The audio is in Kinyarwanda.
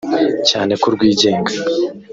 cyane ko rwigenga